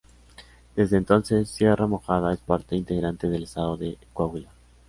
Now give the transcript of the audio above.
Desde entonces Sierra Mojada es parte integrante del estado de Coahuila.